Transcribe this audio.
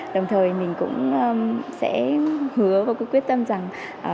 đồng thời mình cũng sẽ hứa và quyết tâm rằng